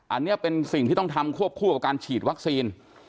อันนี้เป็นสิ่งที่ต้องทำควบคู่กับการฉีดวัคซีน